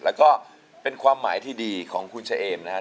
แล้วก็เป็นความหมายที่ดีของคุณเฉเอมนะครับ